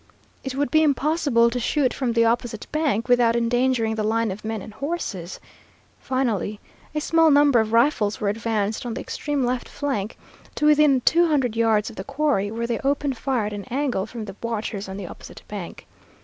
It would be impossible to shoot from the opposite bank without endangering the line of men and horses. Finally a small number of rifles were advanced on the extreme left flank to within two hundred yards of the quarry, where they opened fire at an angle from the watchers on the opposite bank.